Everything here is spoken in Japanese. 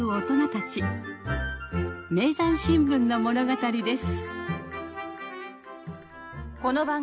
『名山新聞』の物語です。